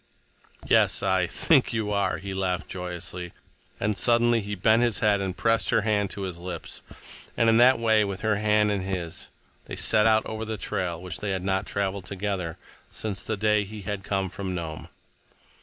"Yes, I—think you are," he laughed joyously, and suddenly he bent his head and pressed her hand to his lips, and in that way, with her hand in his, they set out over the trail which they had not traveled together since the day he had come from Nome.